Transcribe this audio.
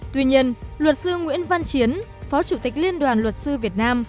tuy nhiên luật sư nguyễn văn chiến phó chủ tịch liên đoàn luật sư việt nam